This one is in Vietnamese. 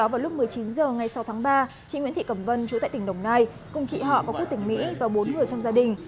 vào chín giờ ngày sáu tháng ba chị nguyễn thị cẩm vân chú tại tỉnh đồng nai cùng chị họ có quốc tỉnh mỹ và bốn người trong gia đình